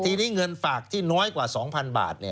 ทีนี้เงินฝากที่น้อยกว่า๒๐๐๐บาท